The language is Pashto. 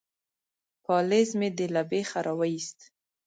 _پالېز مې دې له بېخه را وايست.